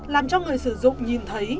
làm cho người sử dụng nhìn thấy